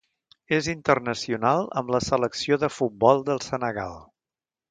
És internacional amb la selecció de futbol del Senegal.